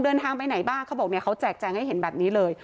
เดินทางไปไหนบ้างเขาบอกเนี่ยเขาแจกแจงให้เห็นแบบนี้เลย